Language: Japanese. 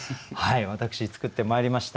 私作ってまいりました。